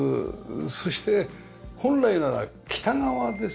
そして本来なら北側です。